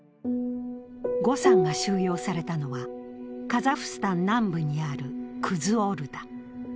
呉さんが収容されたのはカザフスタン南部にあるクズオルダ。